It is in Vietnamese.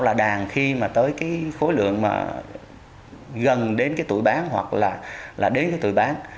là đàn khi mà tới cái khối lượng mà gần đến cái tuổi bán hoặc là đến cái tuổi bán